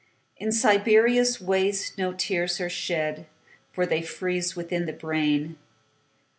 In Siberia's wastesNo tears are shed, For they freeze within the brain.